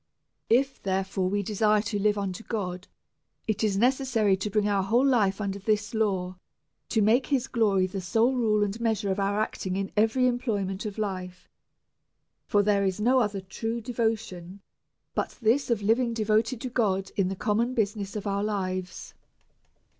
If, therefore, we desire to live unto God, it is ne cessary to bring our whole life under this law, to make his glory the sole rule and measure of our acting in every employment of life ; for there is no other true devotion but this, of living devoted to God in tha common business of our lives.